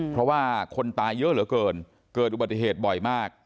เพราะว่าคนตายเยอะเหลือเกินเกิดอุบัติเหตุบ่อยมาก